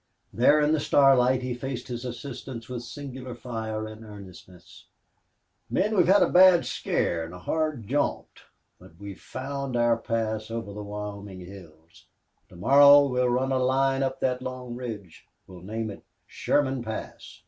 There in the starlight he faced his assistants with singular fire and earnestness. "Men, we've had a bad scare and a hard jaunt, but we've found our pass over the Wyoming hills. To morrow we'll run a line up that long ridge. We'll name it Sherman Pass....